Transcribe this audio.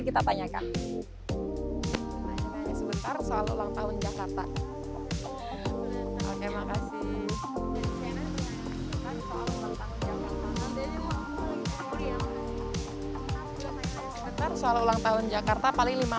bertanya tanya soal ulang tahun jakarta oke makasih soal ulang tahun jakarta paling lima